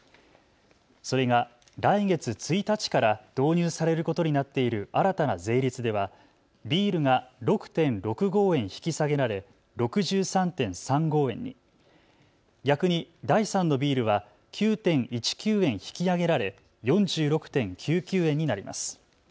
それが来月１日から導入されることになっている新たな税率ではビールが６．６５円引き下げられ６３．３５円に、逆に第３のビールは９．１９円引き上げられ４６．９９円になります。